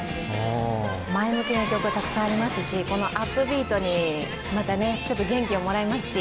前向きな曲、たくさんありますしこのアップビートに元気をもらいますし。